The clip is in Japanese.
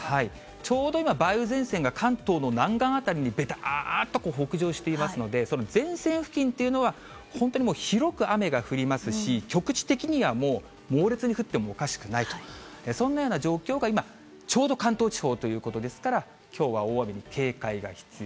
ちょうど今、梅雨前線が関東の南岸辺りにべたーっと北上していますので、その前線付近というのは、本当にもう広く雨が降りますし、局地的にはもう、猛烈に降ってもおかしくないと、そんなような状況が今、ちょうど関東地方ということですから、きょうは大雨に警戒が必要。